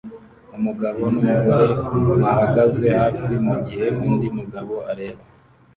Umugabo numugore bahagaze hafi mugihe undi mugabo areba